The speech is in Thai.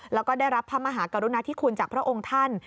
แล้วก็ได้รับพระมหากรุณาธิคุณจากพระองค์ท่าน